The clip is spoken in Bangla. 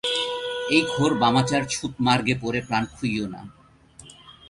এই ঘোর বামাচার ছুঁৎমার্গে পড়ে প্রাণ খুইও না।